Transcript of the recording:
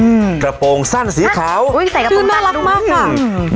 อืมกระโปรงสั้นสีขาวอุ้ยใส่กระปื้นน่ารักมากค่ะอืม